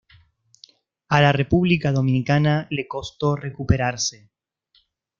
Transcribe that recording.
A la República Dominicana le costo recuperarse.